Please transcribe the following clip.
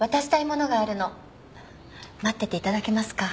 待ってていただけますか？